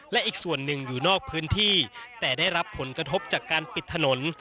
และอีกส่วนหนึ่งอยู่นอกพื้นที่แต่ได้รับผลกระทบจากการปิดถนน